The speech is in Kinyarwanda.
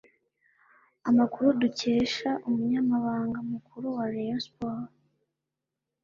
Amakuru dukesha Umunyamabanga Mukuru wa Rayon Sports